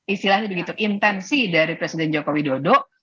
istilahnya begitu intensi dari presiden joko widodo